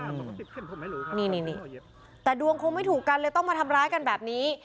อืมนี่นี่นี่แต่ดวงคงไม่ถูกกันเลยต้องมาทำร้ายกันแบบนี้